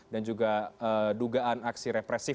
dan juga dugaan aksi represif